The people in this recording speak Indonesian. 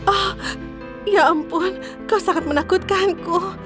oh ya ampun kau sangat menakutkanku